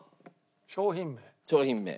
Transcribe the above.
商品名？